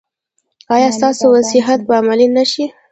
ایا ستاسو وصیت به عملي نه شي؟